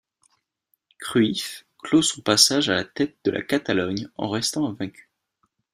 Cruyff clôt son passage à la tête de la Catalogne en restant invaincu.